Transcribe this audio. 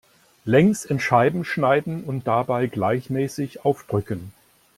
Längs in Scheiben schneiden und dabei gleichmäßig aufdrücken.